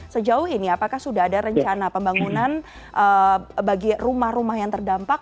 sejauh ini apakah sudah ada rencana pembangunan bagi rumah rumah yang terdampak